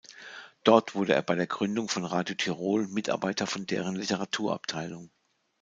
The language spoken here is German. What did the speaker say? Dort wurde er bei der Gründung von Radio Tirol Mitarbeiter von deren Literaturabteilung.